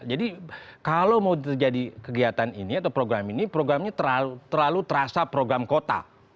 jadi kalau mau terjadi kegiatan ini atau program ini programnya terlalu terasa program kota